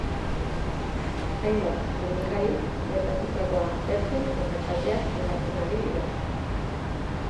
Hainbat teknikari gertatutakoa aztertzen eta kalteak zenbatzen ari dira.